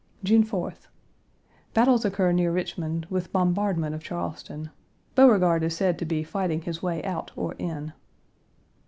June 4th. Battles occur near Richmond, with bombardment of Charleston. Beauregard is said to be fighting his way out or in.